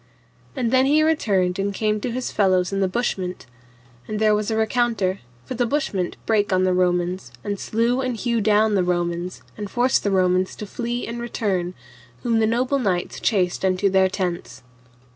And then he returned and came to his fellows in the bushment. And there was a recounter, for the bushment brake on the Romans, and slew and hew down the Romans, and forced the Romans to flee and return, whom the noble knights chased unto their tents.